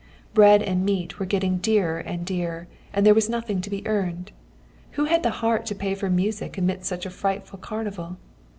Bread and meat were getting dearer and dearer, and there was nothing to be earned. Who had the heart to pay for music amidst such a frightful carnival?